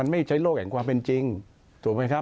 ไม่ใช้โลกแห่งความเป็นจริงถูกไหมครับ